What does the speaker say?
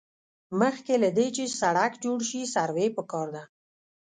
مخکې له دې چې سړک جوړ شي سروې پکار ده